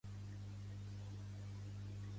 Crec que tinc l'orgull torçat.